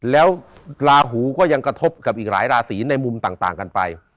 แล้วลาหูก็ยังกระทบกับอีกหลายราศีในมุมต่างกันไป